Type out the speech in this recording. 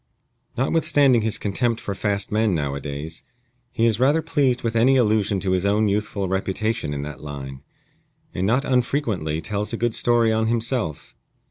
Notwithstanding his contempt for fast men nowadays, he is rather pleased with any allusion to his own youthful reputation in that line, and not unfrequently tells a good story on himself.